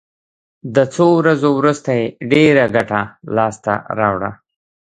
د څو ورځو وروسته یې ډېره ګټه لاس ته راوړه.